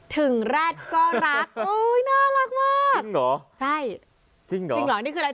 ถึงรัดก็รักโอ้ยน่ารักมากจริงเหรอใช่จริงเหรอนี่คืออะไร